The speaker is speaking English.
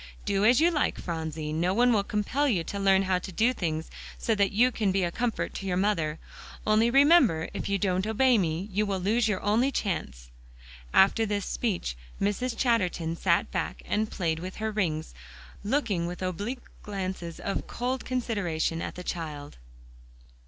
Do as you like, Phronsie. No one will compel you to learn how to do things so that you can be a comfort to your mother. Only remember, if you don't obey me, you will lose your only chance." After this speech, Mrs. Chatterton sat back and played with her rings, looking with oblique glances of cold consideration at the child.